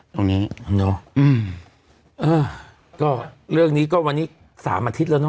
ตรงนี้เนอะอืมเออก็เรื่องนี้ก็วันนี้สามอาทิตย์แล้วเนอ